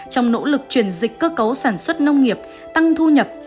trong nỗ lực chuyển dịch cơ cấu sản xuất nông nghiệp tăng thu nhập